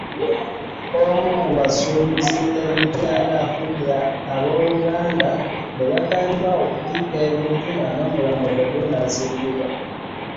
Omu ku basuubuzi e Mityana afudde ab'oluganda ne batandika kutikka bintu ng'omulambo tegunnaziikibwa.